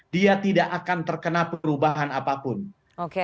dia tidak akan terkena perubahan apa apa